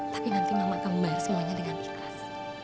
tapi nanti mama akan membayar semuanya dengan ikhlas